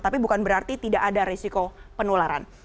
tapi bukan berarti tidak ada risiko penularan